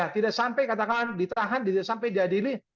tidak sampai katakan ditahan sampai diadili